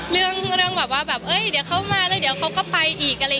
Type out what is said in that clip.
เรื่องแบบว่าเดี๋ยวเขามาแล้วเขาก็ไปอีก